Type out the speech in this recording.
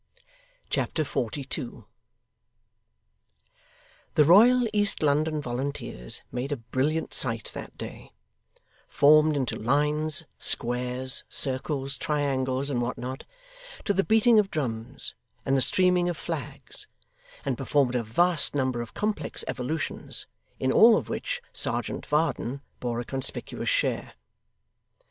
Chapter 42 The Royal East London Volunteers made a brilliant sight that day: formed into lines, squares, circles, triangles, and what not, to the beating of drums, and the streaming of flags; and performed a vast number of complex evolutions, in all of which Serjeant Varden bore a conspicuous share.